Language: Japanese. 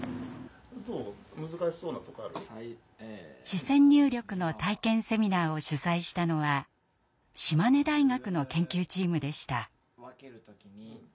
視線入力の体験セミナーを主催したのは島根大学の研究チームでした。